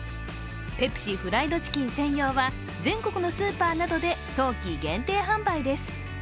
ペプシフライドチキン専用は全国のスーパーなどで冬季限定販売です。